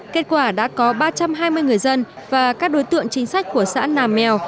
kết quả đã có ba trăm hai mươi người dân và các đối tượng chính sách của xã nam mèo